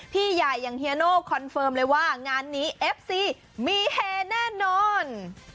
พี่ใหญ่อย่างเฮียโน่คอนเฟิร์มเลยว่างานนี้เอฟซีมีเฮแน่นอน